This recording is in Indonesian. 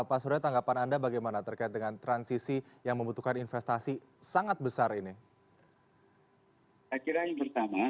akhirnya yang pertama saya menggaris bawah